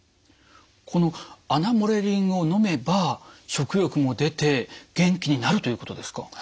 このアナモレリンをのめば食欲も出て元気になるということですか？